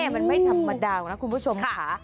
มันไม่ธรรมดานะคุณผู้ชมค่ะ